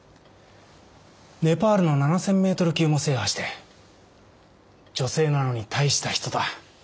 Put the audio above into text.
ネパールの７，０００ｍ級も制覇して女性なのに大した人だ。